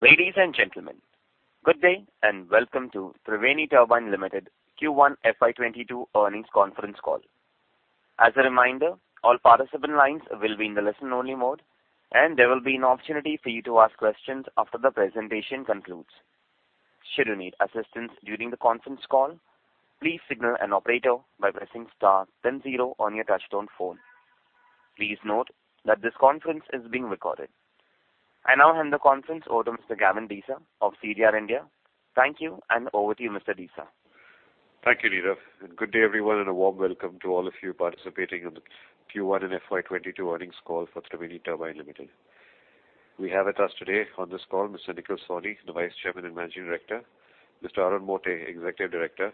Ladies and gentlemen, good day and welcome to Triveni Turbine Limited Q1 FY 2022 Earnings Conference Call. As a reminder, all participant lines will be in the listen-only mode, and there will be an opportunity for you to ask questions after the presentation concludes. Should you need assistance during the conference call, please signal an operator by pressing star then zero on your touch-tone phone. Please note that this conference is being recorded. I now hand the conference over to Mr. Gavin Desa of CDR India. Thank you, and over to you, Mr. Desa. Thank you, Nirav. Good day everyone, and a warm welcome to all of you participating on the Q1 and FY 2022 earnings call for Triveni Turbine Limited. We have with us today on this call Mr. Nikhil Sawhney, the Vice Chairman and Managing Director, Mr. Arun Mote, Executive Director,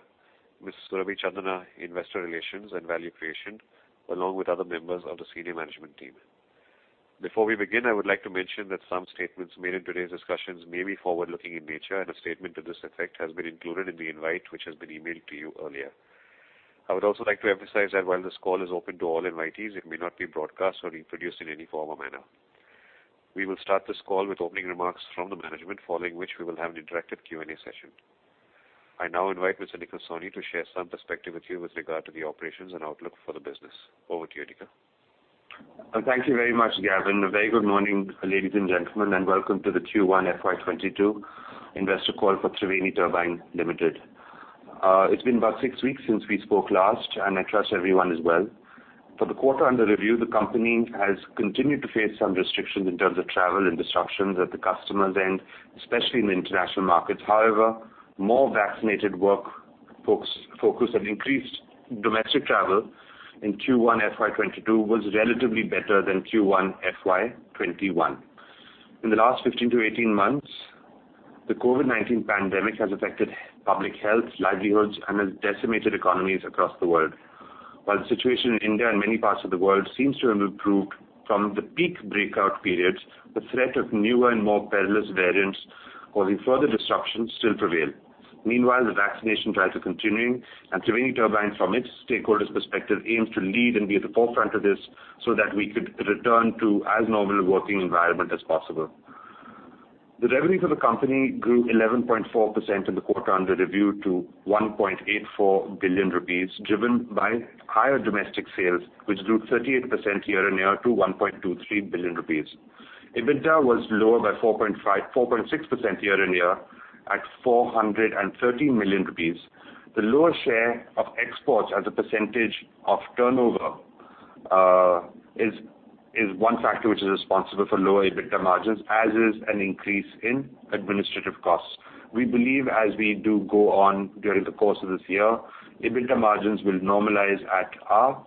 Ms. Surabhi Chandna, Investor Relations and Value Creation, along with other members of the senior management team. Before we begin, I would like to mention that some statements made in today's discussions may be forward-looking in nature, and a statement to this effect has been included in the invite which has been emailed to you earlier. I would also like to emphasize that while this call is open to all invitees, it may not be broadcast or reproduced in any form or manner. We will start this call with opening remarks from the management, following which we will have an interactive Q&A session. I now invite Mr. Nikhil Sawhney to share some perspective with you with regard to the operations and outlook for the business. Over to you, Nikhil. Thank you very much, Gavin. A very good morning, ladies and gentlemen, and welcome to the Q1 FY 2022 investor call for Triveni Turbine Limited. It's been about six weeks since we spoke last, and I trust everyone is well. For the quarter under review, the company has continued to face some restrictions in terms of travel and disruptions at the customer's end, especially in the international markets. However, more vaccinated workforce and increased domestic travel in Q1 FY 2022 was relatively better than Q1 FY 2021. In the last 15 months-18 months, the COVID-19 pandemic has affected public health, livelihoods, and has decimated economies across the world. While the situation in India and many parts of the world seems to have improved from the peak breakout periods, the threat of newer and more perilous variants causing further disruption still prevail. Meanwhile, the vaccination drives are continuing, and Triveni Turbine, from its stakeholders' perspective, aims to lead and be at the forefront of this so that we could return to as normal a working environment as possible. The revenue for the company grew 11.4% in the quarter under review to 1.84 billion rupees, driven by higher domestic sales, which grew 38% year-on-year to 1.23 billion rupees. EBITDA was lower by 4.6% year-on-year at 430 million rupees. The lower share of exports as a percentage of turnover is one factor which is responsible for lower EBITDA margins, as is an increase in administrative costs. We believe as we do go on during the course of this year, EBITDA margins will normalize at our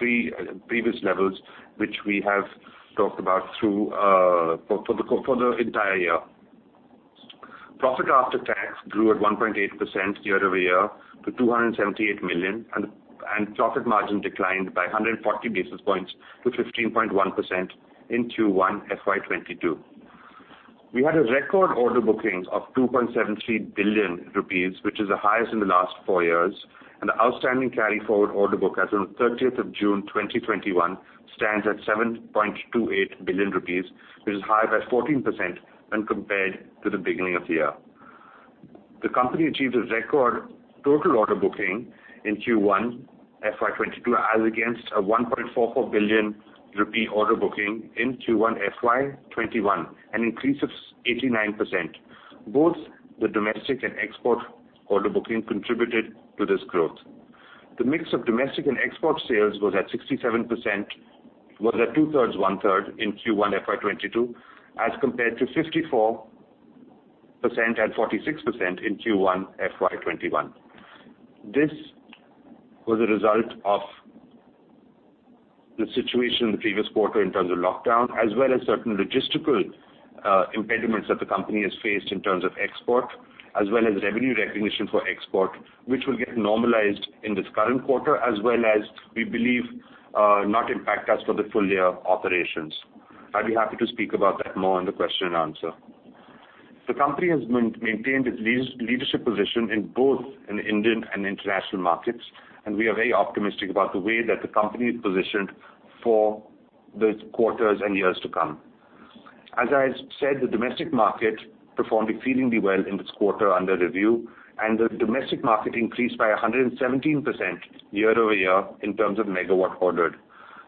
previous levels, which we have talked about for the entire year. Profit after tax grew at 1.8% year-over-year to 278 million, and profit margin declined by 140 basis points to 15.1% in Q1 FY 2022. We had a record order bookings of 2.73 billion rupees, which is the highest in the last four years, and the outstanding carry forward order book as on 30th of June 2021 stands at 7.28 billion rupees, which is higher by 14% when compared to the beginning of the year. The company achieved a record total order booking in Q1 FY 2022, as against INR 1.44 billion order booking in Q1 FY 2021, an increase of 89%. Both the domestic and export order booking contributed to this growth. The mix of domestic and export sales was at two-thirds, one-third in Q1 FY 2022, as compared to 54% and 46% in Q1 FY 2021. This was a result of the situation in the previous quarter in terms of lockdown, as well as certain logistical impediments that the company has faced in terms of export, as well as revenue recognition for export, which will get normalized in this current quarter as well as we believe not impact us for the full-year operations. I will be happy to speak about that more in the question and answer. The company has maintained its leadership position in both in the Indian and international markets, and we are very optimistic about the way that the company is positioned for the quarters and years to come. As I said, the domestic market performed exceedingly well in this quarter under review, and the domestic market increased by 117% year-over-year in terms of megawatt ordered.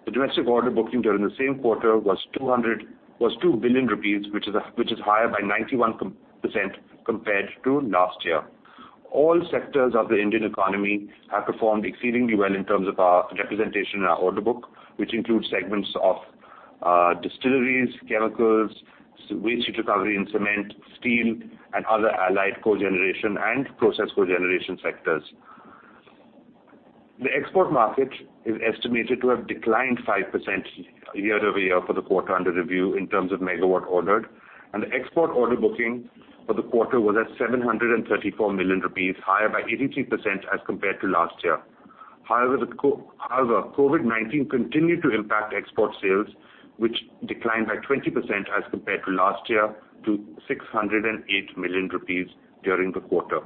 The domestic order booking during the same quarter was 2 billion rupees, which is higher by 91% compared to last year. All sectors of the Indian economy have performed exceedingly well in terms of our representation in our order book, which includes segments of distilleries, chemicals, waste heat recovery and cement, steel, and other allied cogeneration and process cogeneration sectors. The export market is estimated to have declined 5% year-over-year for the quarter under review in terms of megawatt ordered, and the export order booking for the quarter was at 734 million rupees, higher by 83% as compared to last year. COVID-19 continued to impact export sales, which declined by 20% as compared to last year to 608 million rupees during the quarter.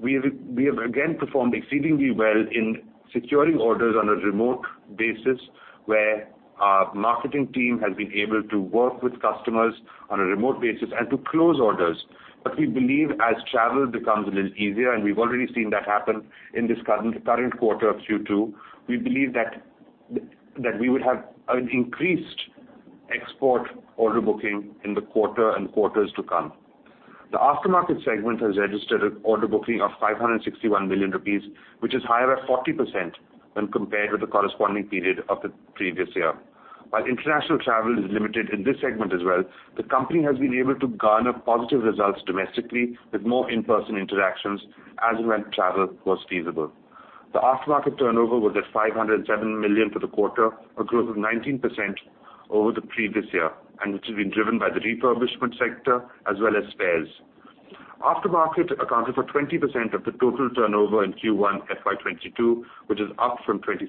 We have again performed exceedingly well in securing orders on a remote basis, where our marketing team has been able to work with customers on a remote basis and to close orders. We believe as travel becomes a little easier, and we've already seen that happen in this current quarter of Q2, we believe that we would have an increased export order booking in the quarter and quarters to come. The aftermarket segment has registered order booking of 561 million rupees, which is higher at 40% when compared with the corresponding period of the previous year. While international travel is limited in this segment as well, the company has been able to garner positive results domestically with more in-person interactions as and when travel was feasible. The aftermarket turnover was at 507 million for the quarter, a growth of 19% over the previous year, which has been driven by the refurbishment sector as well as spares. Aftermarket accounted for 20% of the total turnover in Q1 FY 2022, which is up from 26%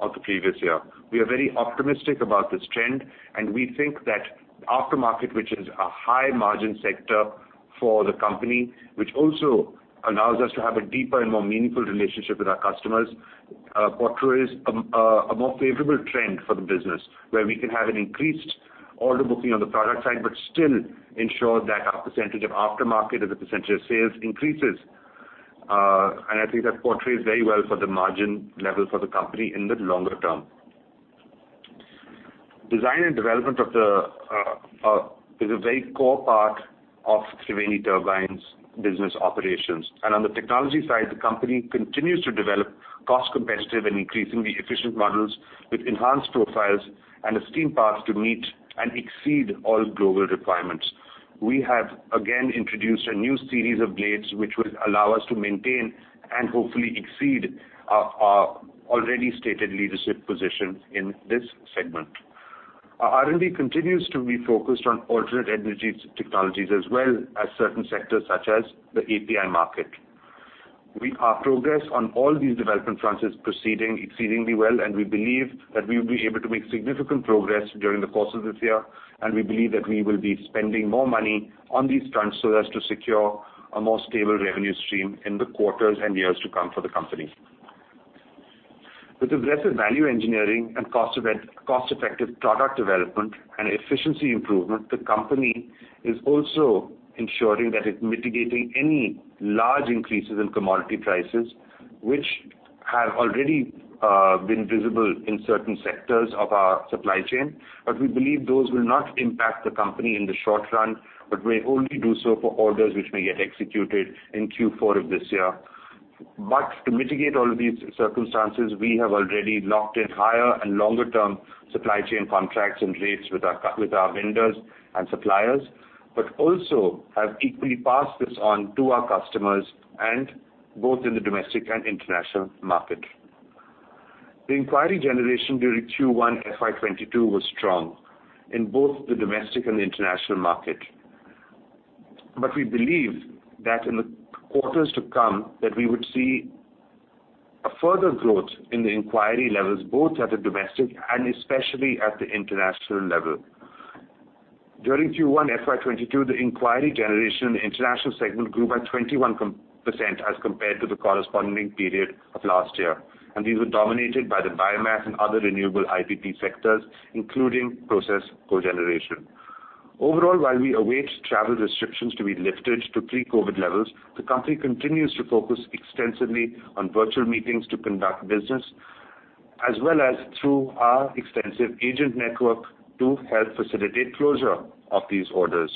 of the previous year. We are very optimistic about this trend, we think that aftermarket, which is a high margin sector for the company, which also allows us to have a deeper and more meaningful relationship with our customers, portrays a more favorable trend for the business, where we can have an increased order booking on the product side, but still ensure that our percentage of aftermarket as a percentage of sales increases. I think that portrays very well for the margin level for the company in the longer term. Design and development is a very core part of Triveni Turbine's business operations. On the technology side, the company continues to develop cost competitive and increasingly efficient models with enhanced profiles and a steam path to meet and exceed all global requirements. We have again introduced a new series of blades, which will allow us to maintain and hopefully exceed our already stated leadership position in this segment. Our R&D continues to be focused on alternate energy technologies as well as certain sectors such as the API market. Our progress on all these development fronts is proceeding exceedingly well, and we believe that we will be able to make significant progress during the course of this year, and we believe that we will be spending more money on these fronts so as to secure a more stable revenue stream in the quarters and years to come for the company. With aggressive value engineering and cost-effective product development and efficiency improvement, the company is also ensuring that it's mitigating any large increases in commodity prices, which have already been visible in certain sectors of our supply chain. We believe those will not impact the company in the short run, but may only do so for orders which may get executed in Q4 of this year. To mitigate all of these circumstances, we have already locked in higher and longer term supply chain contracts and rates with our vendors and suppliers, but also have equally passed this on to our customers and both in the domestic and international market. The inquiry generation during Q1 FY 2022 was strong in both the domestic and international market. We believe that in the quarters to come, that we would see a further growth in the inquiry levels, both at the domestic and especially at the international level. During Q1 FY 2022, the inquiry generation in the international segment grew by 21% as compared to the corresponding period of last year. These were dominated by the biomass and other renewable IPP sectors, including process cogeneration. Overall, while we await travel restrictions to be lifted to pre-COVID-19 levels, the company continues to focus extensively on virtual meetings to conduct business, as well as through our extensive agent network to help facilitate closure of these orders.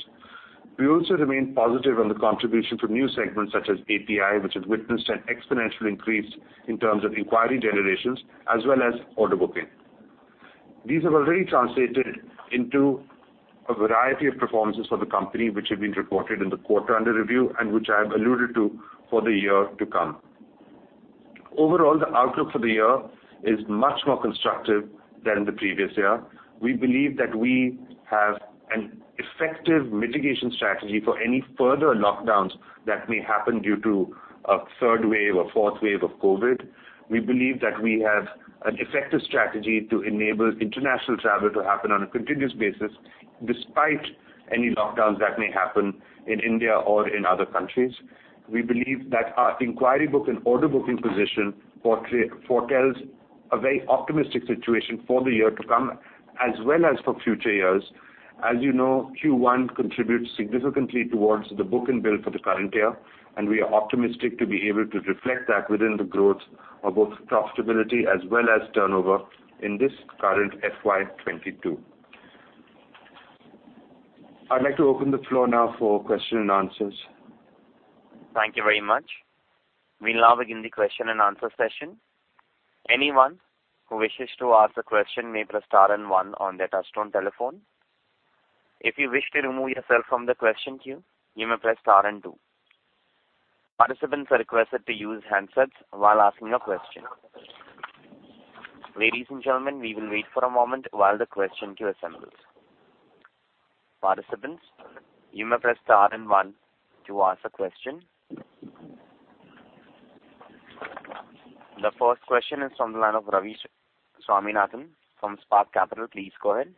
We also remain positive on the contribution from new segments such as API, which has witnessed an exponential increase in terms of inquiry generations as well as order booking. These have already translated into a variety of performances for the company, which have been reported in the quarter under review and which I have alluded to for the year to come. Overall, the outlook for the year is much more constructive than the previous year. We believe that we have an effective mitigation strategy for any further lockdowns that may happen due to a third wave, a fourth wave of COVID. We believe that we have an effective strategy to enable international travel to happen on a continuous basis, despite any lockdowns that may happen in India or in other countries. We believe that our inquiry book and order booking position foretells a very optimistic situation for the year to come, as well as for future years. As you know, Q1 contributes significantly towards the book and bill for the current year, and we are optimistic to be able to reflect that within the growth of both profitability as well as turnover in this current FY 2022. I'd like to open the floor now for question and answers. Thank you very much. We'll now begin the question and answer session. Anyone who wishes to ask a question may press star one on their touch-tone telephone. If you wish to remove yourself from the question queue you may press star then two. Participants are requested to use handsets while asking a question. Ladies and gentlemen we will need some moment while the question queue assembles. Participants you may press star and one to ask a question. The first question is from the line of Ravi Swaminathan from Spark Capital. Please go ahead.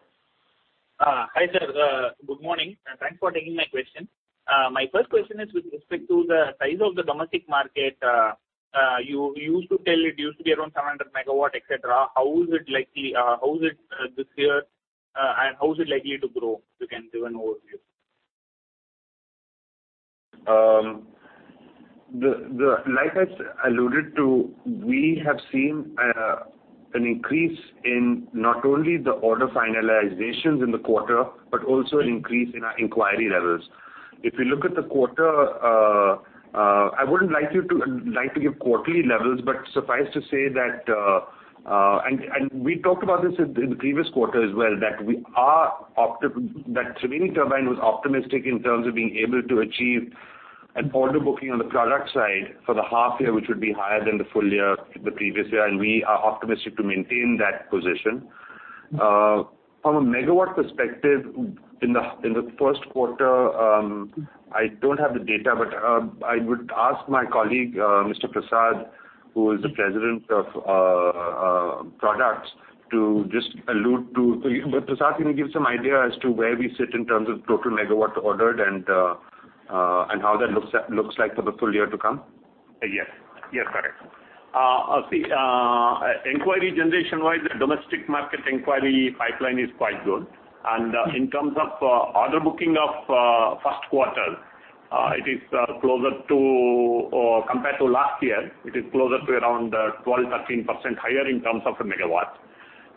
Hi, sir. Good morning. Thanks for taking my question. My first question is with respect to the size of the domestic market. You used to tell it used to be around 700 MW, et cetera. How is it this year, and how is it likely to grow? If you can give an overview. Like I alluded to, we have seen an increase in not only the order finalizations in the quarter, but also an increase in our inquiry levels. If you look at the quarter, I wouldn't like to give quarterly levels. We talked about this in the previous quarter as well, that Triveni Turbine was optimistic in terms of being able to achieve an order booking on the product side for the half year, which would be higher than the full-year, the previous year, and we are optimistic to maintain that position. From a megawatt perspective, in the first quarter, I don't have the data, but I would ask my colleague, Mr. Prasad, who is the President of Products. Prasad, can you give some idea as to where we sit in terms of total megawatts ordered and how that looks like for the full-year to come? Yes. Correct. See, inquiry generation-wise, domestic market inquiry pipeline is quite good. In terms of order booking of first quarter, compared to last year, it is closer to around 12%-13% higher in terms of megawatts.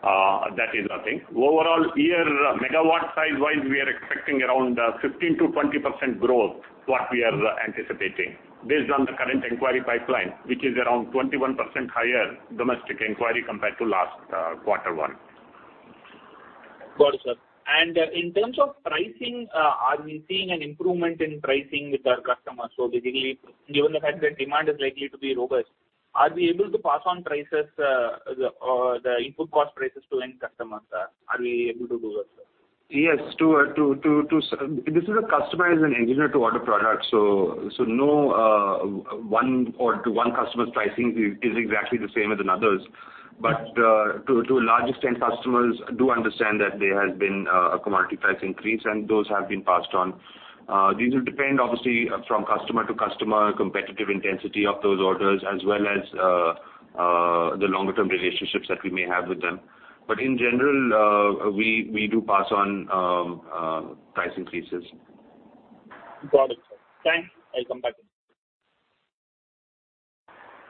That is a thing. Overall year, megawatt size-wise, we are expecting around 15%-20% growth, what we are anticipating based on the current inquiry pipeline, which is around 21% higher domestic inquiry compared to last quarter one. Got it, sir. In terms of pricing, are we seeing an improvement in pricing with our customers? Basically, given the fact that demand is likely to be robust, are we able to pass on the input cost prices to end customers? Are we able to do that, sir? Yes. This is a customer as an engineer to order product. No one customer's pricing is exactly the same as another's. To a large extent, customers do understand that there has been a commodity price increase, and those have been passed on. These will depend, obviously, from customer to customer, competitive intensity of those orders, as well as the longer-term relationships that we may have with them. In general, we do pass on price increases. Got it, sir. Thanks. I'll come back.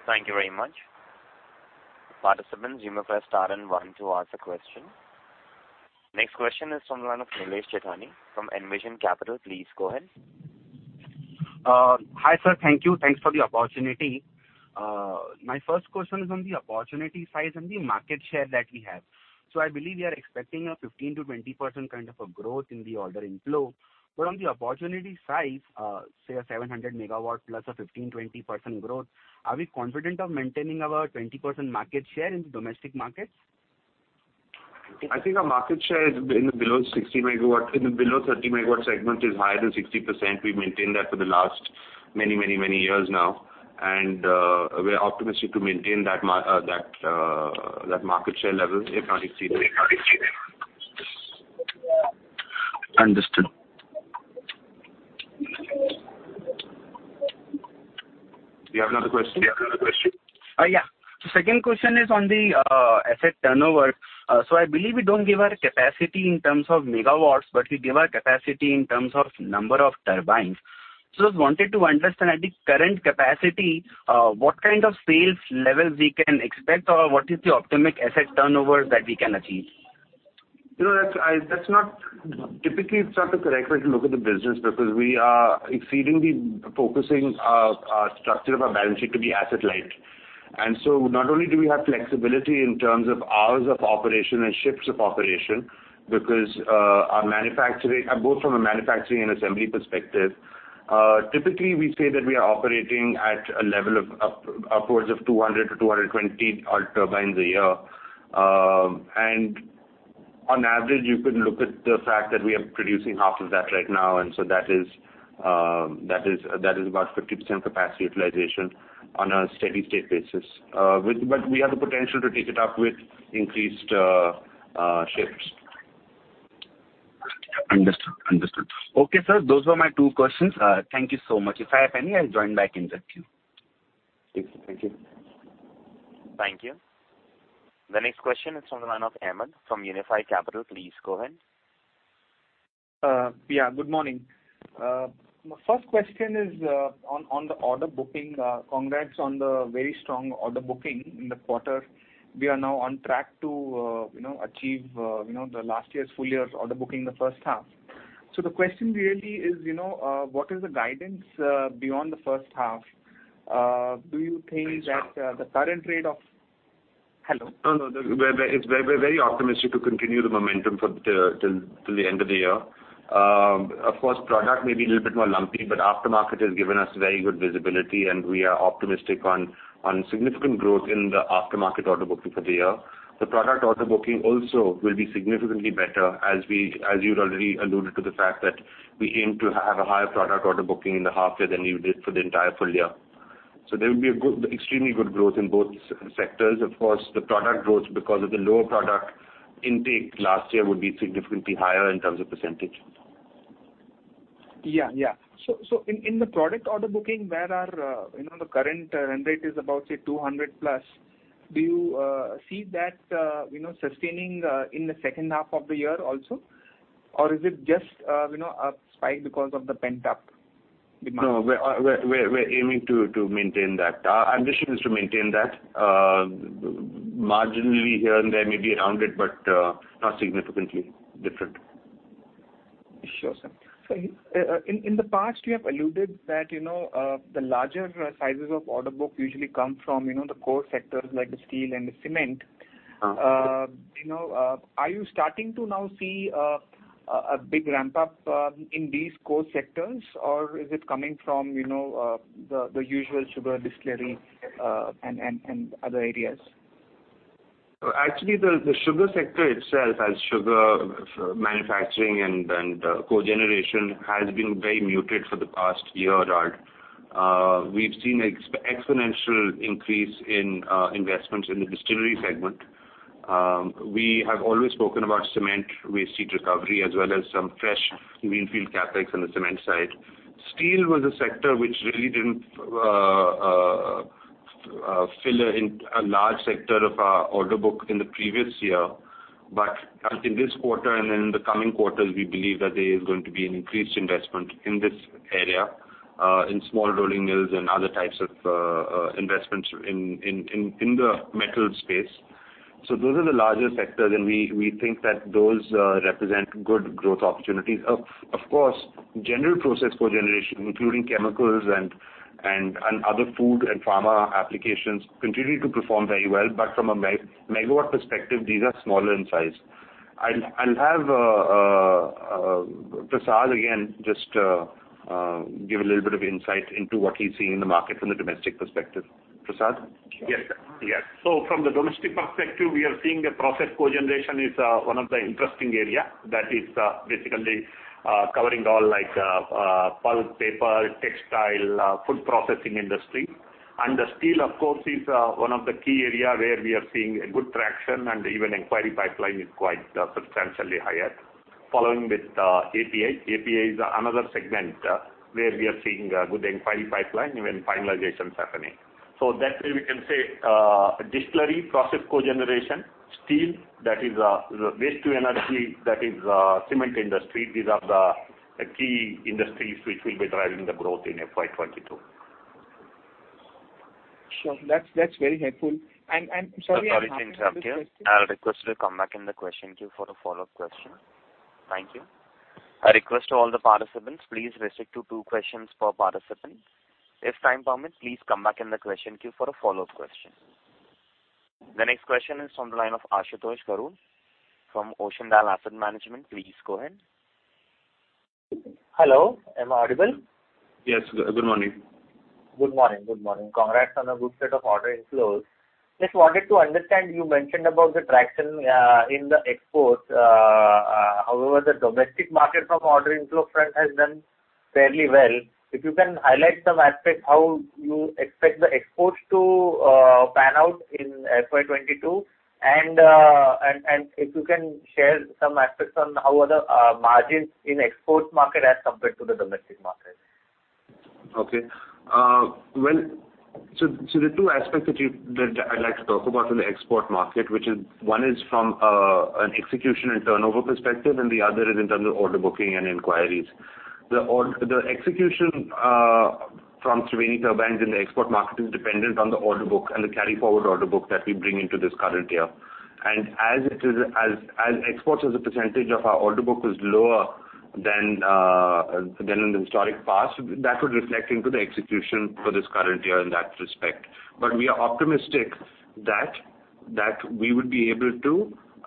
Thank you very much. Participants, you may press star then one to ask a question. Next question is from the line of Nilesh Jethani from Envision Capital. Please go ahead. Hi, sir. Thank you. Thanks for the opportunity. My first question is on the opportunity size and the market share that we have. I believe we are expecting a 15%-20% kind of a growth in the order inflow. On the opportunity size, say a 700 MW plus a 15%-20% growth, are we confident of maintaining our 20% market share in domestic markets? I think our market share in the below 30 MW segment is higher than 60%. We've maintained that for the last many years now, we're optimistic to maintain that market share level, if not exceed it. Understood. Do you have another question? Yeah. The second question is on the asset turnover. I believe we don't give our capacity in terms of megawatts, but we give our capacity in terms of number of turbines. Just wanted to understand, at the current capacity, what kind of sales level we can expect, or what is the optimum asset turnover that we can achieve? Typically, it's not the correct way to look at the business because we are exceedingly focusing our structure of our balance sheet to be asset light. Not only do we have flexibility in terms of hours of operation and shifts of operation, both from a manufacturing and assembly perspective. Typically, we say that we are operating at a level of upwards of 200-220 odd turbines a year. On average, you could look at the fact that we are producing half of that right now, that is about 50% capacity utilization on a steady state basis. We have the potential to take it up with increased shifts. Understood. Okay, sir. Those were my two questions. Thank you so much. If I have any, I'll join back in the queue. Thank you. Thank you. The next question is from the line of Ahmed from Unifi Capital. Please go ahead. Good morning. My first question is on the order booking. Congrats on the very strong order booking in the quarter. We are now on track to achieve the last year's full-year's order booking in the first half. The question really is, what is the guidance beyond the first half? Do you think that the current rate of Hello? No. We're very optimistic to continue the momentum till the end of the year. Product may be a little bit more lumpy, but aftermarket has given us very good visibility, and we are optimistic on significant growth in the aftermarket order booking for the year. The product order booking also will be significantly better, as you'd already alluded to the fact that we aim to have a higher product order booking in the half year than you did for the entire full-year. There will be extremely good growth in both sectors. The product growth because of the lower product intake last year would be significantly higher in terms of percentage. In the product order booking, the current run rate is about, say, 200+. Do you see that sustaining in the second half of the year also? Is it just a spike because of the pent-up demand? No, we're aiming to maintain that. Our ambition is to maintain that. Marginally here and there may be around it, but not significantly different. Sure, sir. In the past, you have alluded that the larger sizes of order book usually come from the core sectors like the steel and the cement. Are you starting to now see a big ramp-up in these core sectors, or is it coming from the usual sugar distillery and other areas? Actually, the sugar sector itself, as sugar manufacturing and cogeneration, has been very muted for the past year odd. We've seen exponential increase in investments in the distillery segment. We have always spoken about cement waste heat recovery as well as some fresh greenfield CapEx on the cement side. Steel was a sector which really didn't fill in a large sector of our order book in the previous year. I think this quarter and in the coming quarters, we believe that there is going to be an increased investment in this area, in small rolling mills and other types of investments in the metal space. Those are the larger sectors, and we think that those represent good growth opportunities. Of course, general process cogeneration, including chemicals and other food and pharma applications, continue to perform very well. From a megawatt perspective, these are smaller in size. I'll have Prasad again just give a little bit of insight into what he's seeing in the market from the domestic perspective. Prasad? Yes, sir. From the domestic perspective, we are seeing the process cogeneration is one of the interesting area that is basically covering all like pulp, paper, textile, food processing industry. The steel, of course, is one of the key area where we are seeing a good traction, and even inquiry pipeline is quite substantially higher. Following with API. API is another segment where we are seeing a good inquiry pipeline, even finalizations happening. That way we can say distillery, process cogeneration, steel, that is waste-to-energy, that is cement industry. These are the key industries which will be driving the growth in FY 2022. Sure. That's very helpful. Sorry to interrupt you. I request you to come back in the question queue for a follow-up question. Thank you. I request to all the participants, please restrict to two questions per participant. If time permits, please come back in the question queue for a follow-up question. The next question is on the line of Ashutosh Garud from Ocean Dial Asset Management. Please go ahead. Hello, am I audible? Yes. Good morning. Good morning. Congrats on a good set of order inflows. Just wanted to understand, you mentioned about the traction in the exports. The domestic market from order inflow front has done fairly well. If you can highlight some aspects, how you expect the exports to pan out in FY 2022, and if you can share some aspects on how are the margins in export market as compared to the domestic market. Okay. The two aspects that I'd like to talk about on the export market, which one is from an execution and turnover perspective, and the other is in terms of order booking and inquiries. The execution from Triveni Turbine in the export market is dependent on the order book and the carry forward order book that we bring into this current year. As exports as a percentage of our order book is lower than in the historic past, that would reflect into the execution for this current year in that respect. We are optimistic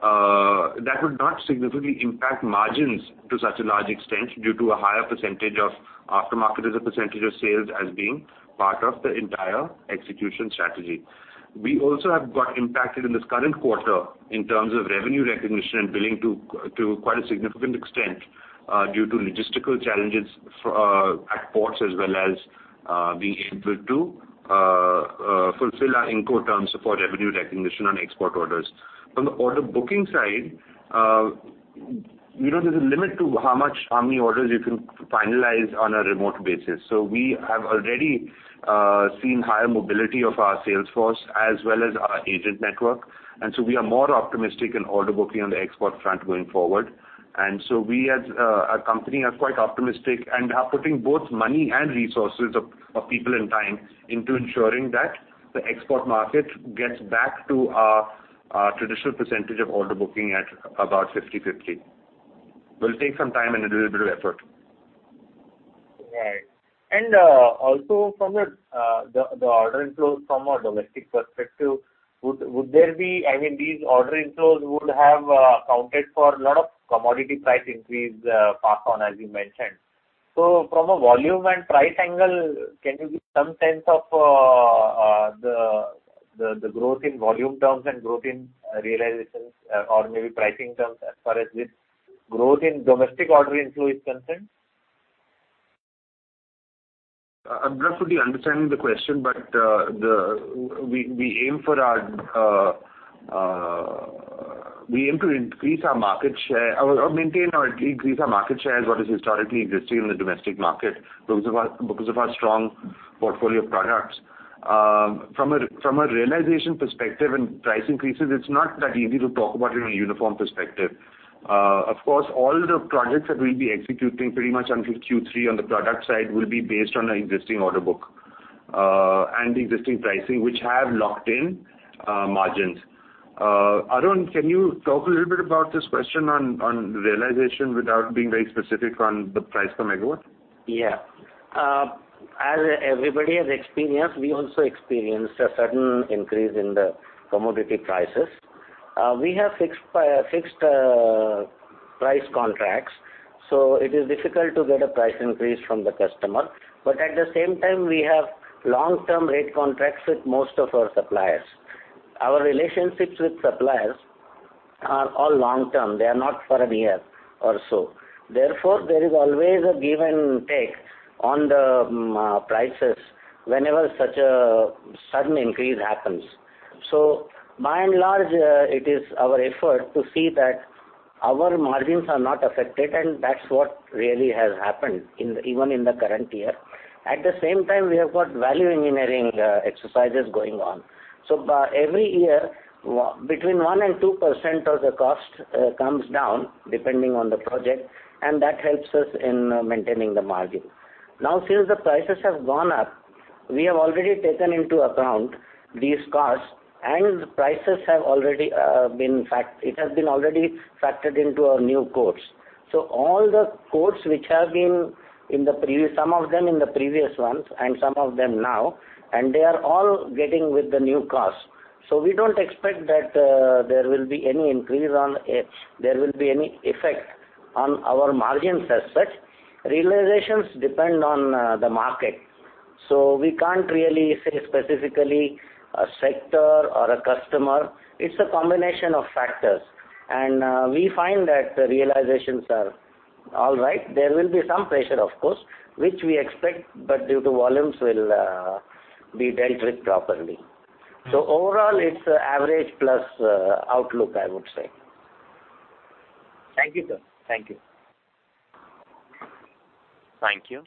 that would not significantly impact margins to such a large extent due to a higher percentage of aftermarket as a percentage of sales as being part of the entire execution strategy. We also have got impacted in this current quarter in terms of revenue recognition and billing to quite a significant extent, due to logistical challenges at ports, as well as being able to fulfill our Incoterms for revenue recognition on export orders. On the order booking side, there's a limit to how many orders you can finalize on a remote basis. We have already seen higher mobility of our sales force as well as our agent network, and so we are more optimistic in order booking on the export front going forward. We as a company are quite optimistic and are putting both money and resources of people and time into ensuring that the export market gets back to our traditional percentage of order booking at about 50/50. It will take some time and a little bit of effort. Right. Also from the order inflows from a domestic perspective, these order inflows would have accounted for a lot of commodity price increase pass on, as you mentioned. From a volume and price angle, can you give some sense of the growth in volume terms and growth in realizations or maybe pricing terms as per as which growth in domestic order inflow is concerned? I'm roughly understanding the question, but we aim to increase our market share or maintain or increase our market share as what is historically existing in the domestic market because of our strong portfolio of products. From a realization perspective and price increases, it's not that easy to talk about it in a uniform perspective. Of course, all the projects that we'll be executing pretty much until Q3 on the product side will be based on our existing order book, and the existing pricing, which have locked in margins. Arun Mote, can you talk a little bit about this question on realization without being very specific on the price per megawatt? As everybody has experienced, we also experienced a certain increase in the commodity prices. We have fixed price contracts. It is difficult to get a price increase from the customer. At the same time, we have long-term rate contracts with most of our suppliers. Our relationships with suppliers are all long-term. They are not for a year or so. Therefore, there is always a give and take on the prices whenever such a sudden increase happens. By and large, it is our effort to see that our margins are not affected and that's what really has happened, even in the current year. At the same time, we have got value engineering exercises going on. Every year, between 1% and 2% of the cost comes down, depending on the project, and that helps us in maintaining the margin. Now, since the prices have gone up, we have already taken into account these costs, and it has been already factored into our new quotes. All the quotes, some of them in the previous months and some of them now, and they are all getting with the new cost. We don't expect that there will be any effect on our margins as such. Realizations depend on the market. We can't really say specifically a sector or a customer. It's a combination of factors, and we find that realizations are all right. There will be some pressure, of course, which we expect, but due to volumes will be dealt with properly. Overall, it's average plus outlook, I would say. Thank you, sir. Thank you. Thank you.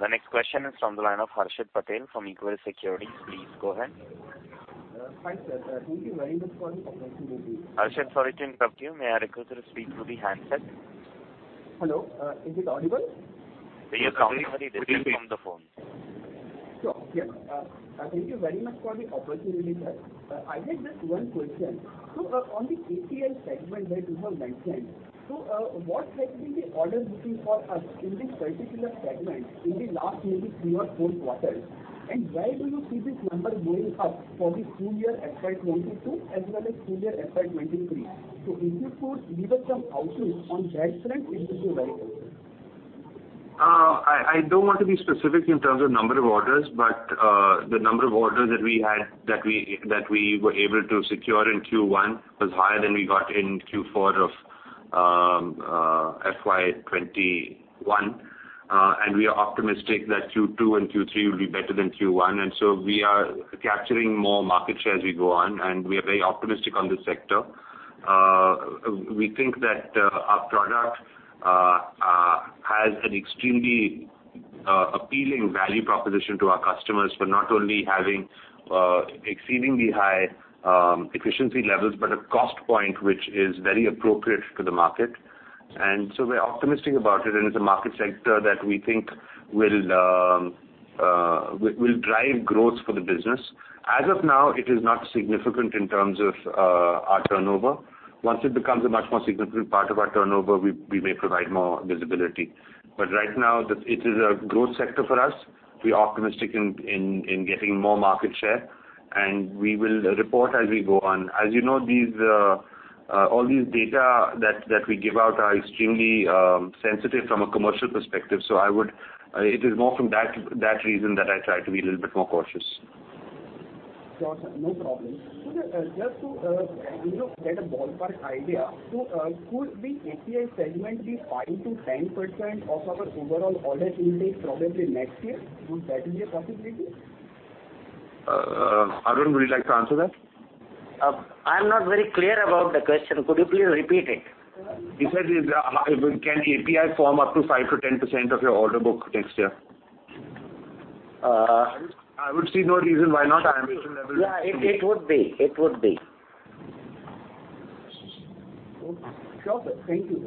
The next question is from the line of Harshit Patel from Equirus Securities. Please go ahead. Hi, sir. Thank you very much for the opportunity. Harshit, sorry to interrupt you. May I request you to speak through the handset? Hello. Is it audible? We are very sorry. This is from the phone. Sure. Yeah. Thank you very much for the opportunity, sir. I had just one question. On the API segment that you have mentioned, so what has been the order booking for us in this particular segment in the last maybe three or four quarters, and where do you see this number going up for the full-year FY 2022 as well as full-year FY 2023? If you could give us some outlook on that front, it would be very helpful. I don't want to be specific in terms of number of orders. The number of orders that we were able to secure in Q1 was higher than we got in Q4 of FY 2021. We are optimistic that Q2 and Q3 will be better than Q1. We are capturing more market share as we go on. We are very optimistic on this sector. We think that our product has an extremely appealing value proposition to our customers for not only having exceedingly high efficiency levels, but a cost point which is very appropriate to the market. We're optimistic about it. It's a market sector that we think will drive growth for the business. As of now, it is not significant in terms of our turnover. Once it becomes a much more significant part of our turnover, we may provide more visibility. Right now, it is a growth sector for us. We're optimistic in getting more market share, and we will report as we go on. As you know, all these data that we give out are extremely sensitive from a commercial perspective, so it is more from that reason that I try to be a little bit more cautious. Sure, sir. No problem. Just to get a ballpark idea, could the API segment be 5%-10% of our overall order intake probably next year? Could that be a possibility? Arun, would you like to answer that? I'm not very clear about the question. Could you please repeat it? He said, can API form up to 5%-10% of your order book next year? I would see no reason why not. I imagine. Yeah, it would be. Sure, sir. Thank you.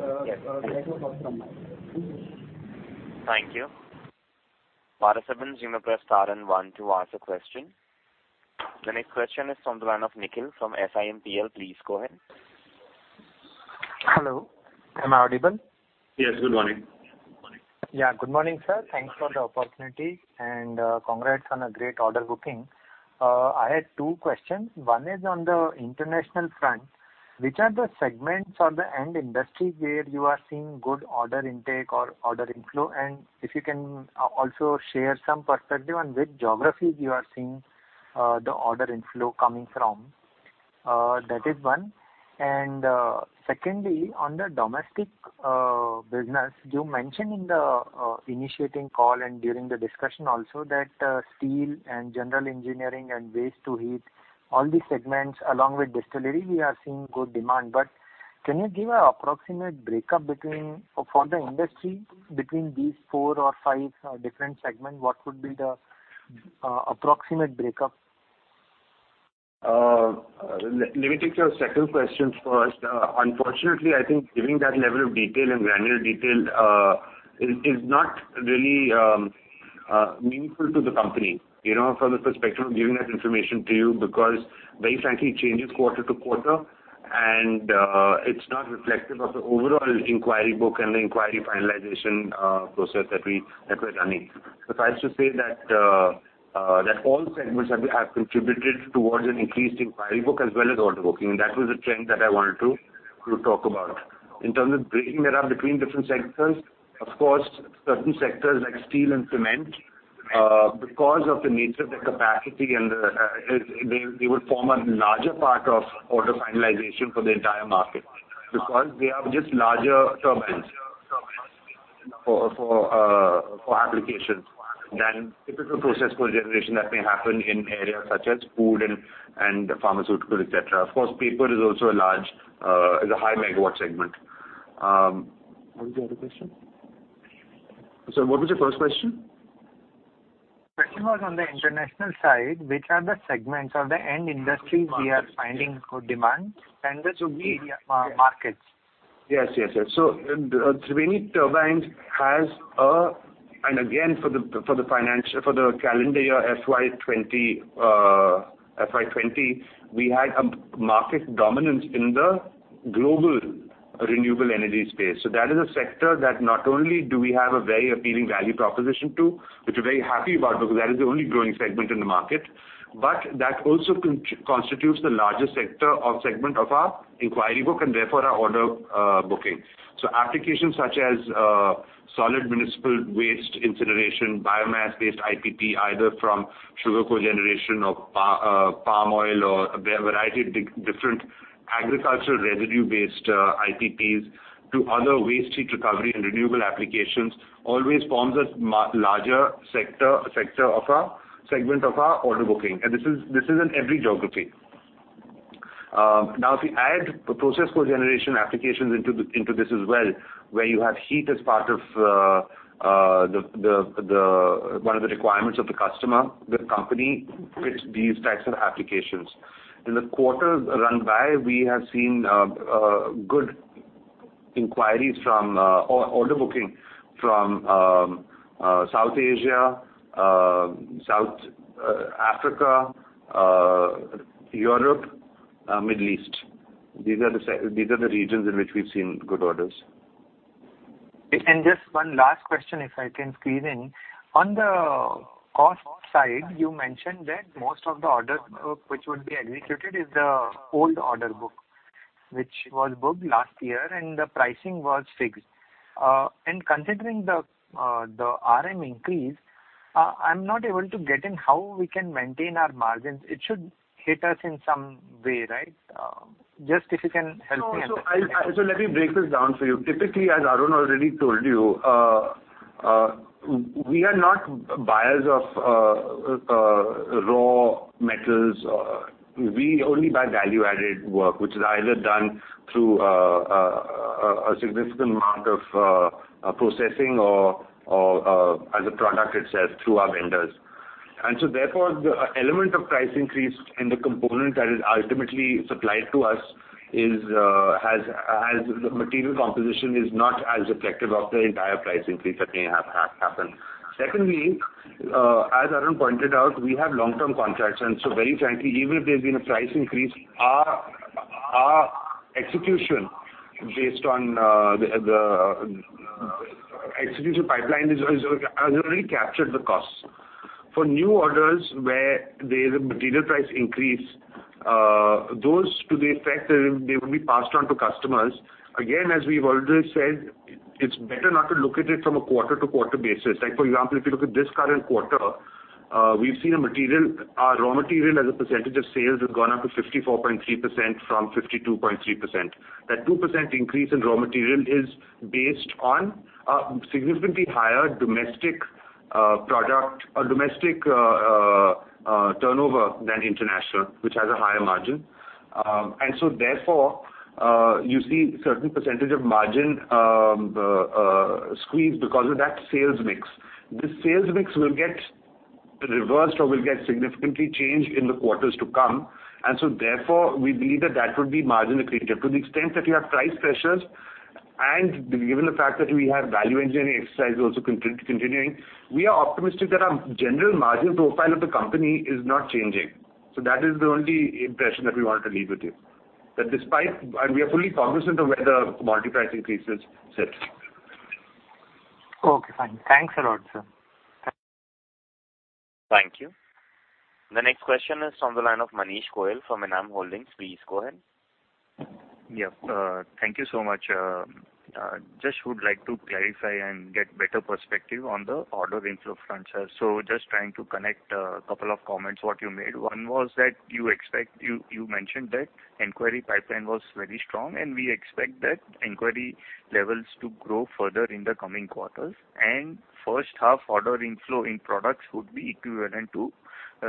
Thank you. Participants you may press star one to ask a question. The next question is from the line of Nikhil from SiMPL. Please go ahead. Hello. Am I audible? Yes. Good morning. Yeah. Good morning, sir. Thanks for the opportunity, and congrats on a great order booking. I had two questions. One is on the international front. Which are the segments or the end industries where you are seeing good order intake or order inflow? If you can also share some perspective on which geographies you are seeing the order inflow coming from. That is one. Secondly, on the domestic business, you mentioned in the initiating call and during the discussion also that steel and general engineering and waste to heat, all these segments, along with distillery, we are seeing good demand. Can you give an approximate breakup for the industry between these four or five different segments? What would be the approximate breakup? Let me take your second question first. Unfortunately, I think giving that level of detail and granular detail is not really meaningful to the company, from the perspective of giving that information to you, because very frankly, it changes quarter-to-quarter, and it's not reflective of the overall inquiry book and the inquiry finalization process that we're running. That was the trend that I wanted to talk about. In terms of breaking it up between different sectors, of course, certain sectors like steel and cement, because of the nature of their capacity, they would form a larger part of order finalization for the entire market, because they have just larger turbines for applications than typical process cogeneration that may happen in areas such as food and pharmaceutical, et cetera. Of course, paper is also a high megawatt segment. What was the other question? Sorry, what was your first question? Question was on the international side, which are the segments or the end industries we are finding good demand, and which would be markets? Yes. Triveni Turbine has, and again, for the calendar year FY 2020, we had a market dominance in the global renewable energy space. That is a sector that not only do we have a very appealing value proposition to, which we're very happy about because that is the only growing segment in the market, but that also constitutes the largest sector or segment of our inquiry book and therefore our order booking. Applications such as solid municipal waste incineration, biomass-based IPP, either from sugar cogeneration or palm oil or a variety of different agricultural residue-based IPPs to other waste heat recovery and renewable applications always forms a larger segment of our order booking. This is in every geography. If we add process cogeneration applications into this as well, where you have heat as part of one of the requirements of the customer, the company fits these types of applications. In the quarters run by, we have seen good order booking from South Asia, South Africa, Europe, Middle East. These are the regions in which we've seen good orders. Just one last question if I can squeeze in. On the cost side, you mentioned that most of the order book which would be executed is the old order book, which was booked last year, and the pricing was fixed. Considering the RM increase, I am not able to get in how we can maintain our margins. It should hit us in some way, right? Just if you can help me understand. Let me break this down for you. Typically, as Arun already told you, we are not buyers of raw metals. We only buy value-added work, which is either done through a significant amount of processing or as a product itself through our vendors. Therefore, the element of price increase in the component that is ultimately supplied to us as the material composition is not as reflective of the entire price increase that may have happened. Secondly, as Arun pointed out, we have long-term contracts. Very frankly, even if there's been a price increase, our execution based on the execution pipeline has already captured the costs. For new orders where there's a material price increase, those to the effect that they will be passed on to customers. Again, as we've already said, it's better not to look at it from a quarter-to-quarter basis. Like for example, if you look at this current quarter, our raw material as a percentage of sales has gone up to 54.3% from 52.3%. That 2% increase in raw material is based on a significantly higher domestic turnover than international, which has a higher margin. Therefore, you see certain percentage of margin squeeze because of that sales mix. This sales mix will get reversed or will get significantly changed in the quarters to come. Therefore, we believe that that would be margin accretive. To the extent that you have price pressures, and given the fact that we have value engineering exercise also continuing, we are optimistic that our general margin profile of the company is not changing. So that is the only impression that we want to leave with you. We are fully cognizant of where the commodity price increases sit. Okay, fine. Thanks a lot, sir. Thank you. The next question is on the line of Manish Goyal from Enam Holdings. Please go ahead. Thank you so much. Just would like to clarify and get better perspective on the order inflow front, sir. Just trying to connect a couple of comments what you made. One was that you mentioned that inquiry pipeline was very strong, and we expect that inquiry levels to grow further in the coming quarters, and first half order inflow in products would be equivalent to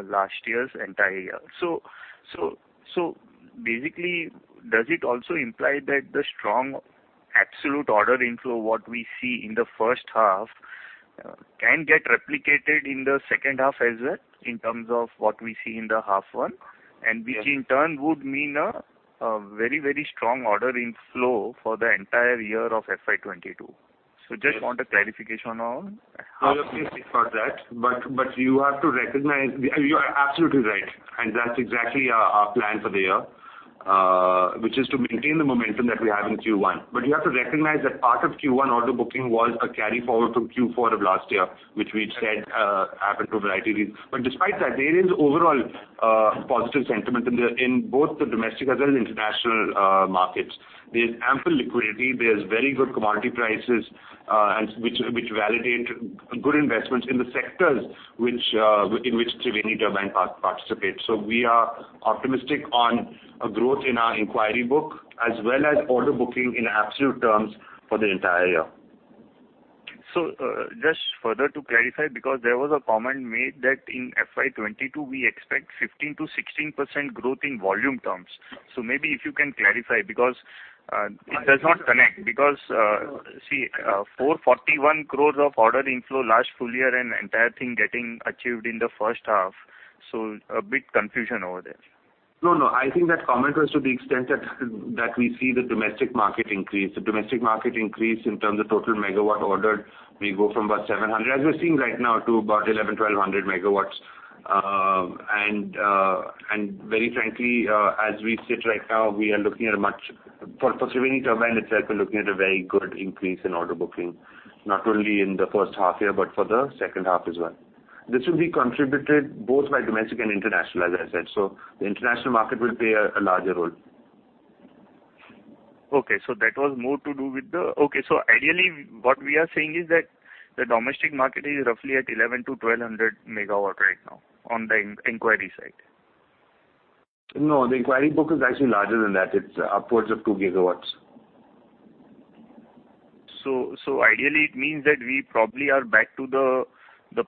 last year's entire year. Basically, does it also imply that the strong absolute order inflow what we see in the first half can get replicated in the second half as well, in terms of what we see in the half 1? Which in turn would mean a very strong order inflow for the entire year of FY 2022. I just want a clarification on. Okay for that. You are absolutely right, and that's exactly our plan for the year, which is to maintain the momentum that we have in Q1. You have to recognize that part of Q1 order booking was a carry forward from Q4 of last year, which we'd said happened for a variety of reasons. Despite that, there is overall positive sentiment in both the domestic as well as international markets. There's ample liquidity, there's very good commodity prices, which validate good investments in the sectors, in which Triveni Turbine participates. We are optimistic on a growth in our inquiry book as well as order booking in absolute terms for the entire year. Just further to clarify, there was a comment made that in FY 2022, we expect 15%-16% growth in volume terms. Maybe if you can clarify, it does not connect. See, 441 crores of order inflow last full-year and entire thing getting achieved in the first half. A bit confusion over there. I think that comment was to the extent that we see the domestic market increase. The domestic market increase in terms of total megawatt ordered, we go from about 700 MW, as we are seeing right now, to about 1,100 MW, 1,200 MW. Very frankly, as we sit right now, for Triveni Turbine itself, we are looking at a very good increase in order booking, not only in the first half year, but for the second half as well. This will be contributed both by domestic and international, as I said. The international market will play a larger role. Okay. Ideally what we are saying is that the domestic market is roughly at 1,100 MW-1,200 MW right now on the inquiry side. No, the inquiry book is actually larger than that. It's upwards of 2 GW. Ideally it means that we probably are back to the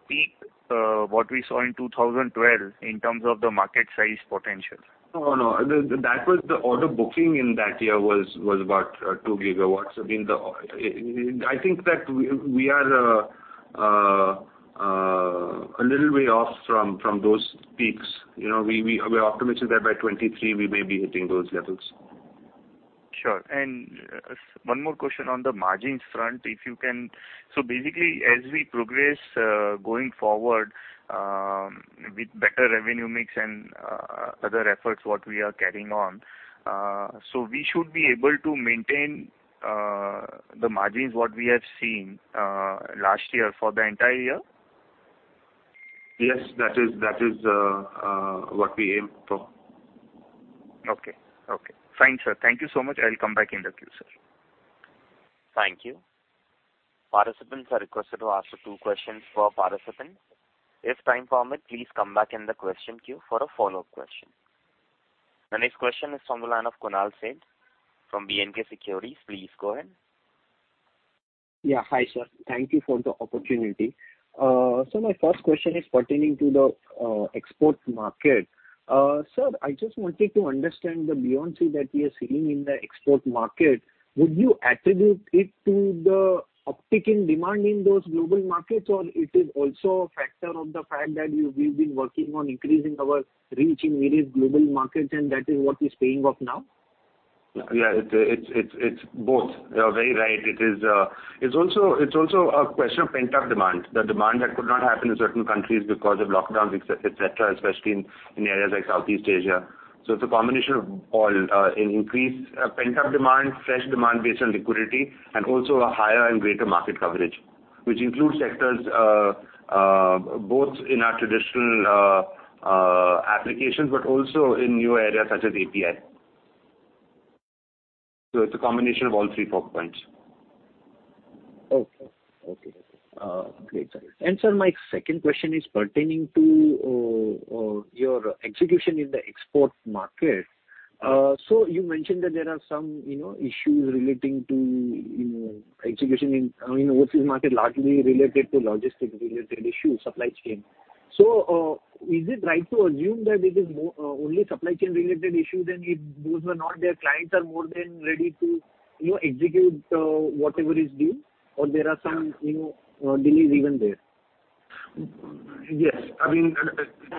peak, what we saw in 2012 in terms of the market size potential. No. The order booking in that year was about 2 GW. I think that we are a little way off from those peaks. We're optimistic that by 2023, we may be hitting those levels. Sure. One more question on the margins front, if you can. Basically, as we progress, going forward, with better revenue mix and other efforts what we are carrying on, so we should be able to maintain the margins, what we have seen last year for the entire year? Yes, that is what we aim for. Okay. Fine, sir. Thank you so much. I'll come back in the queue, sir. Thank you. Participants are requested to ask two questions per participant. If time permit, please come back in the question queue for a follow-up question. The next question is from the line of Kunal Sheth from B&K Securities. Please go ahead. Yeah. Hi, sir. Thank you for the opportunity. My first question is pertaining to the export market. Sir, I just wanted to understand the buoyancy that we are seeing in the export market. Would you attribute it to the uptick in demand in those global markets, or it is also a factor of the fact that we've been working on increasing our reach in various global markets, and that is what is paying off now? Yeah. It's both. You are very right. It's also a question of pent-up demand, the demand that could not happen in certain countries because of lockdowns, et cetera, especially in areas like Southeast Asia. It's a combination of all, an increased pent-up demand, fresh demand based on liquidity, and also a higher and greater market coverage, which includes sectors both in our traditional applications but also in new areas such as API. It's a combination of all three focal points. Okay. Great. Sir, my second question is pertaining to your execution in the export market. You mentioned that there are some issues relating to execution in overseas market, largely related to logistic-related issues, supply chain. Is it right to assume that it is only supply chain related issues, and if those were not there, clients are more than ready to execute whatever is due? Or there are some delays even there? Yes.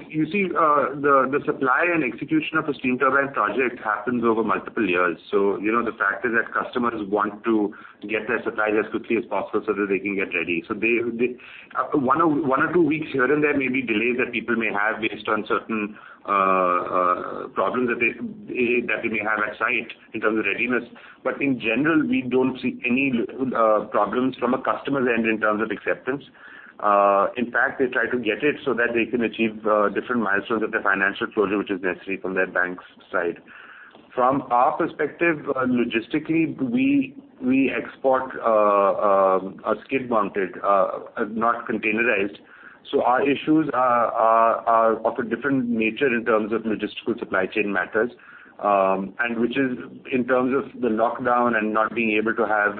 You see, the supply and execution of a steam turbine project happens over multiple years. The fact is that customers want to get their supplies as quickly as possible so that they can get ready. One or two weeks here and there may be delays that people may have based on certain problems that they may have at site in terms of readiness. In general, we don't see any problems from a customer's end in terms of acceptance. In fact, they try to get it so that they can achieve different milestones of their financial closure, which is necessary from their bank's side. From our perspective, logistically, we export skid-mounted, not containerized. Our issues are of a different nature in terms of logistical supply chain matters, and which is in terms of the lockdown and not being able to have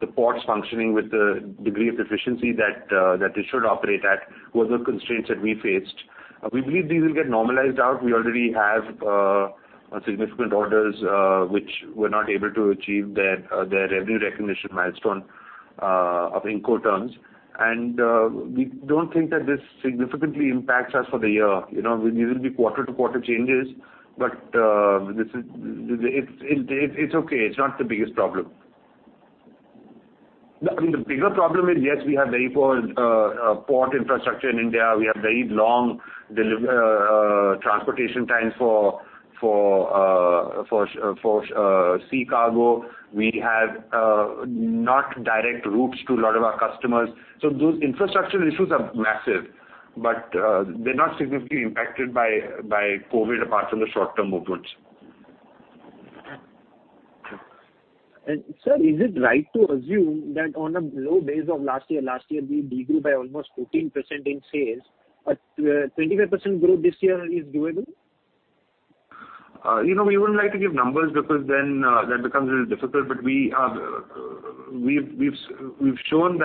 the ports functioning with the degree of efficiency that they should operate at, were the constraints that we faced. We believe these will get normalized out. We already have significant orders, which were not able to achieve their revenue recognition milestone of Incoterms. We don't think that this significantly impacts us for the year. These will be quarter-to-quarter changes, but it's okay. It's not the biggest problem. The bigger problem is, yes, we have very poor port infrastructure in India. We have very long transportation times for sea cargo. We have not direct routes to a lot of our customers. Those infrastructure issues are massive, but they're not significantly impacted by COVID, apart from the short-term movements. Sir, is it right to assume that on a low base of last year, last year we de-grew by almost 14% in sales, but 25% growth this year is doable? We wouldn't like to give numbers because then that becomes a little difficult. We've shown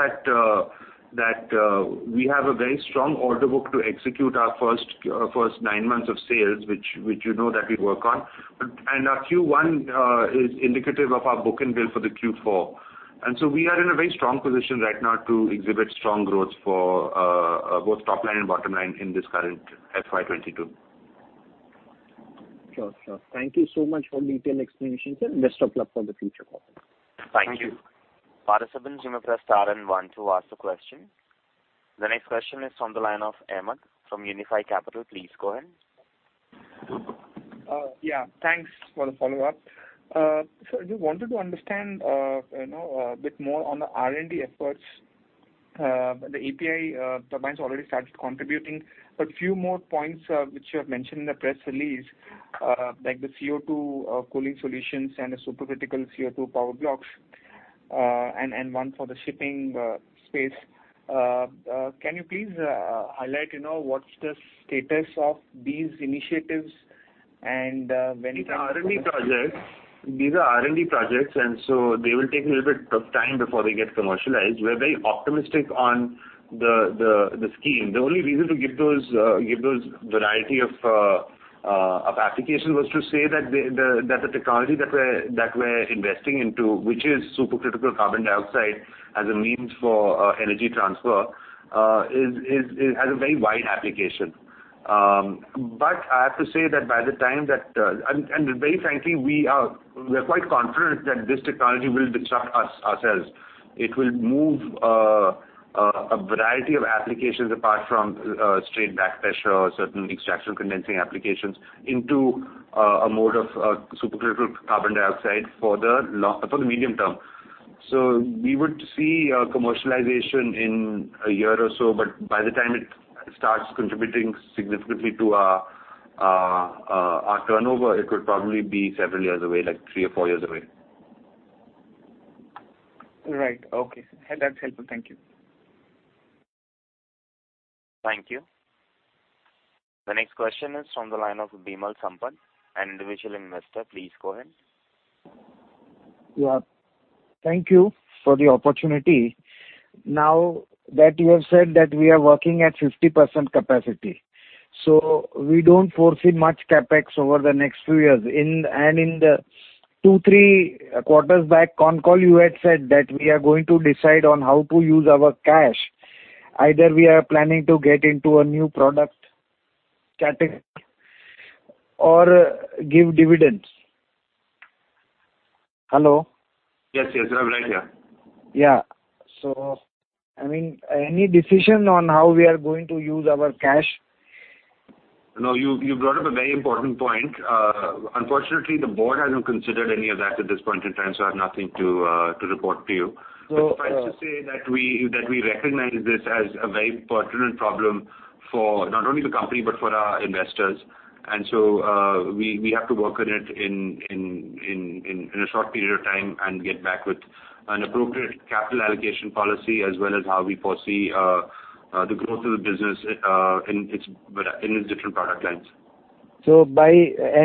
that we have a very strong order book to execute our first nine months of sales, which you know that we work on. Our Q1 is indicative of our book and bill for the Q4. We are in a very strong position right now to exhibit strong growth for both top line and bottom line in this current FY 2022. Sure. Thank you so much for detailed explanation, sir. Best of luck for the future quarter. Thank you. Participants you may press star then one to ask the question. The next question is from the line of Ahmed from Unifi Capital. Please go ahead. Yeah, thanks for the follow-up. Sir, just wanted to understand a bit more on the R&D efforts. The API turbines already started contributing, but few more points which you have mentioned in the press release, like the CO2 cooling solutions and the supercritical CO2 power blocks, and one for the shipping space. Can you please highlight what's the status of these initiatives and when can we. These are R&D projects. They will take a little bit of time before they get commercialized. We're very optimistic on the scheme. The only reason to give those variety of applications was to say that the technology that we're investing into, which is supercritical carbon dioxide as a means for energy transfer, has a very wide application. I have to say that by the time that And very frankly, we are quite confident that this technology will disrupt us ourselves. It will move a variety of applications apart from straight back pressure, certain extraction condensing applications, into a mode of supercritical carbon dioxide for the medium-term. We would see commercialization in a year or so, but by the time it starts contributing significantly to our turnover, it would probably be several years away, like three or four years away. Right. Okay. That's helpful. Thank you. Thank you. The next question is from the line of Bimal Sampat, an individual investor. Please go ahead. Yeah. Thank you for the opportunity. Now that you have said that we are working at 50% capacity, we don't foresee much CapEx over the next few years. In the two, three quarters back concall, you had said that we are going to decide on how to use our cash. Either we are planning to get into a new product category or give dividends. Hello? Yes. We're right here. Yeah. Any decision on how we are going to use our cash? You brought up a very important point. Unfortunately, the board hasn't considered any of that at this point in time, so I have nothing to report to you. Well- Suffice to say that we recognize this as a very pertinent problem for not only the company but for our investors. We have to work on it in a short period of time and get back with an appropriate capital allocation policy as well as how we foresee the growth of the business in its different product lines. By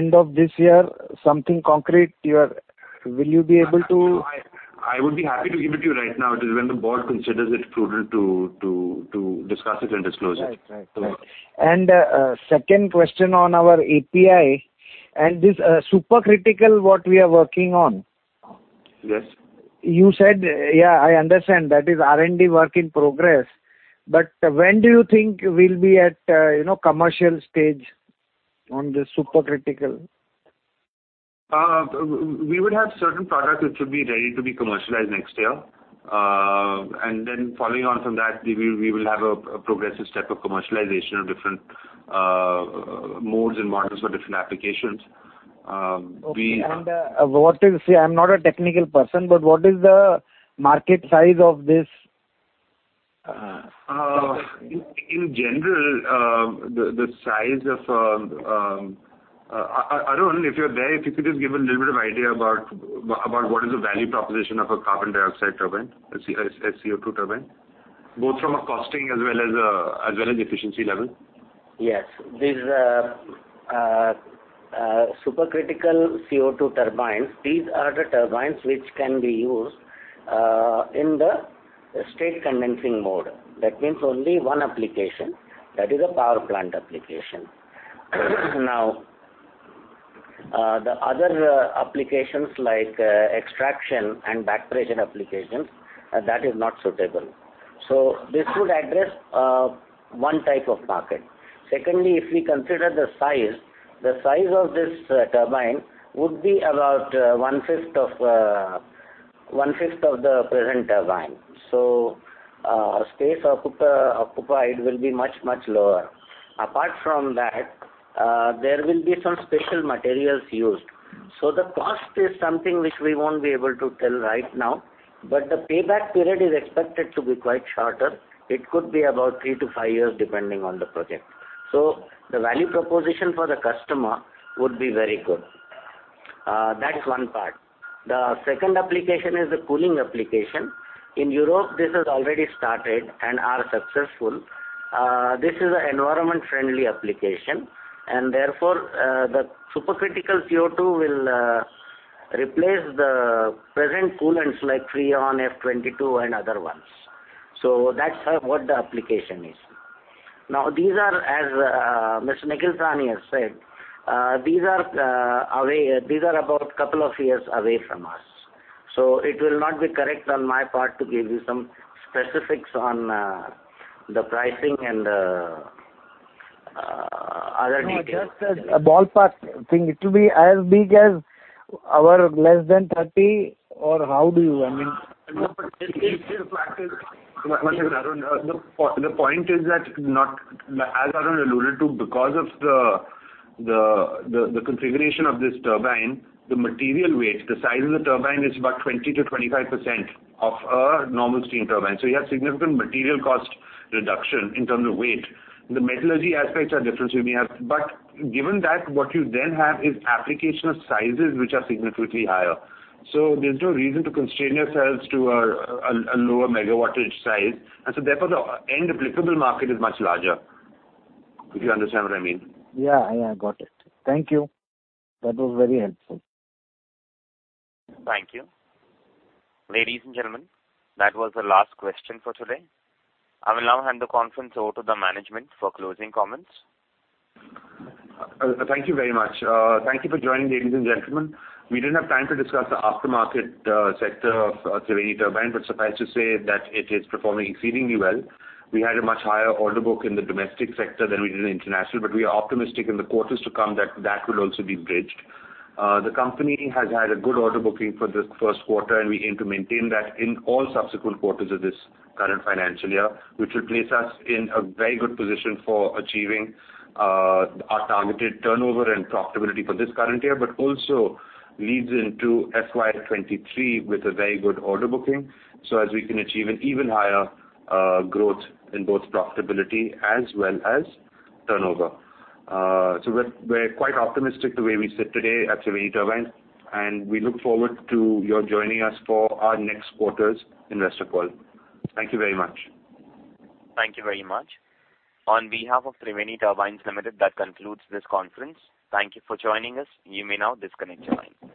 end of this year, something concrete, will you be able to? I would be happy to give it to you right now. It is when the board considers it prudent to discuss it and disclose it. Right. Second question on our API and this supercritical what we are working on. Yes. You said, yeah, I understand that is R&D work in progress, but when do you think we'll be at commercial stage on this supercritical? We would have certain products which will be ready to be commercialized next year. Following on from that, we will have a progressive step of commercialization of different modes and models for different applications. Okay. what is, see I'm not a technical person, but what is the market size of this? In general, the size of Arun, if you're there, if you could just give a little bit of idea about what is the value proposition of a carbon dioxide turbine, a CO2 turbine, both from a costing as well as efficiency level. Yes. These supercritical CO2 turbines, these are the turbines which can be used in the straight condensing mode. That means only one application, that is a power plant application. The other applications like extraction and back pressure applications, that is not suitable. This would address one type of market. Secondly, if we consider the size, the size of this turbine would be about one fifth of the present turbine. Space occupied will be much, much lower. Apart from that, there will be some special materials used. The cost is something which we won't be able to tell right now, but the payback period is expected to be quite shorter. It could be about three to five years, depending on the project. The value proposition for the customer would be very good. That's one part. The second application is the cooling application. In Europe, this has already started and are successful. This is an environment friendly application, and therefore, the supercritical CO2 will replace the present coolants like Freon, R-22 and other ones. That's what the application is. These are, as Mr. Nikhil Sawhney has said, these are about two years away from us. It will not be correct on my part to give you some specifics on the pricing and other details. No, just a ballpark thing. It will be as big as our less than 30, or I mean. The fact is, Arun, the point is that, as Arun alluded to, because of the configuration of this turbine, the material weight, the size of the turbine is about 20%-25% of a normal steam turbine. You have significant material cost reduction in terms of weight. The metallurgy aspects are different. Given that, what you then have is application of sizes which are significantly higher. There's no reason to constrain yourselves to a lower megawattage size. Therefore, the end applicable market is much larger. Do you understand what I mean? I got it. Thank you. That was very helpful. Thank you. Ladies and gentlemen, that was the last question for today. I will now hand the conference over to the management for closing comments. Thank you very much. Thank you for joining, ladies and gentlemen. We didn't have time to discuss the aftermarket sector of Triveni Turbine, but suffice to say that it is performing exceedingly well. We had a much higher order book in the domestic sector than we did in international, but we are optimistic in the quarters to come that will also be bridged. The company has had a good order booking for this first quarter, and we aim to maintain that in all subsequent quarters of this current financial year, which will place us in a very good position for achieving our targeted turnover and profitability for this current year, but also leads into FY 2023 with a very good order booking, so as we can achieve an even higher growth in both profitability as well as turnover. We're quite optimistic the way we sit today at Triveni Turbine, and we look forward to your joining us for our next quarters' investor call. Thank you very much. Thank you very much. On behalf of Triveni Turbine Limited, that concludes this conference. Thank you for joining us. You may now disconnect your line.